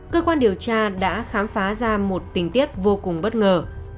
cơ quan điều tra đã khám phá ra một tình tiết vô cùng bất ngờ